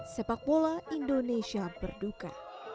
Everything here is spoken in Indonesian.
sepak bola indonesia berduka